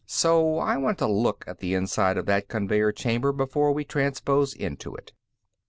So I want a look at the inside of that conveyer chamber before we transpose into it."